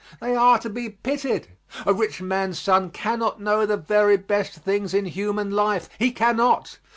They are to be pitied. A rich man's son cannot know the very best things in human life. He cannot.